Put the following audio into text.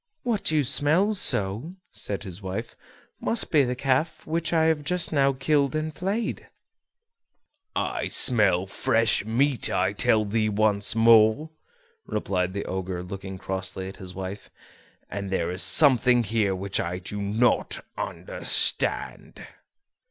"What you smell so," said his wife, "must be the calf which I have just now killed and flayed." "I smell fresh meat, I tell thee once more," replied the Ogre, looking crossly at his wife; "and there is something here which I do not understand."